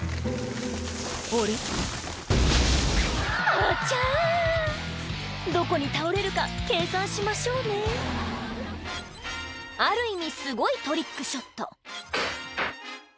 あっちゃどこに倒れるか計算しましょうねある意味すごいトリックショット